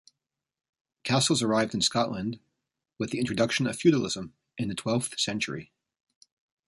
Castles arrived in Scotland with the introduction of feudalism in the twelfth century.